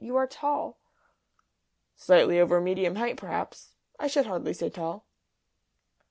You are tall." "Slightly over medium height, perhaps. I should hardly say tall."